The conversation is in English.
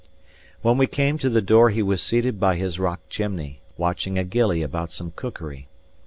When we came to the door he was seated by his rock chimney, watching a gillie about some cookery.